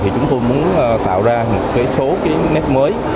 thì chúng tôi muốn tạo ra một cái số cái nét mới